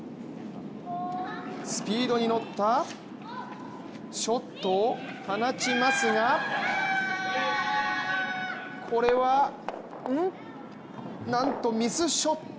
スピードに乗ったショットを放ちますがこれは、なんとミスショット。